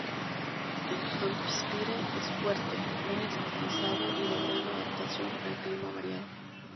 El Hampshire es fuerte, muy estilizado y de gran adaptación al clima variado.